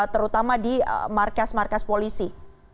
terutama di markas markas polisi